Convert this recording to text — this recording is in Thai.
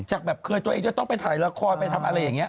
จากแบบเคยตัวเองจะต้องไปถ่ายละครไปทำอะไรอย่างนี้